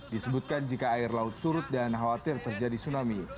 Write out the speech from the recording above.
disebutkan jika air laut surut dan khawatir terjadi tsunami